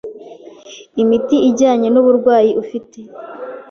imiti ijyanye n’uburwayi ufite.